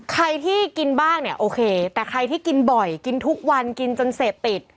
ใครที่กินบ้างเนี่ยโอเคแต่ใครที่กินบ่อยกินทุกวันกินจนเสพติด